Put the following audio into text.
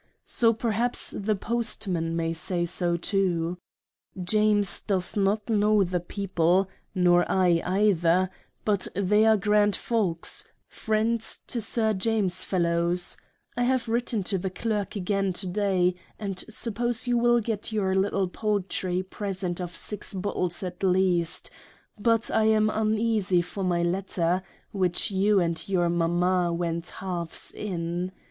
So perhaps the Postman may say so too. James does not know the people nor I either ; but they are Grand Folks, Friends to Sir James Fellowes : I have written to the Clerk again to day, and suppose you will get your little paltry present of six Bottles at least ; but I am uneasy for my Letter, which you and your Mama went halves in.